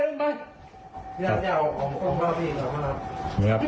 พี่น้ำเนี่ยออกมาแล้วพี่